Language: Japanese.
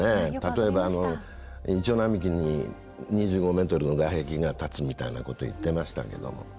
例えば、イチョウ並木に２５ｍの外壁が建つみたいなこと言ってましたけども。